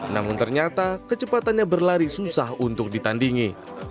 namun ternyata kecepatannya berlari susah untuk ditandingi